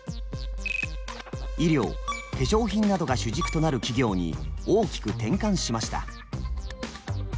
医療・化粧品などが主軸となる企業に大きく転換しました。